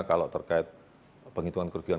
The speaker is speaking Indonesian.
kalau terkait penghitungan kerugian